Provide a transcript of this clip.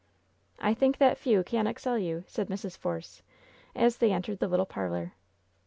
"I think that few can excel you," said Mrs. Force, as they entered the little parlor.